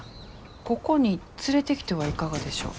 ここに連れてきてはいかがでしょう？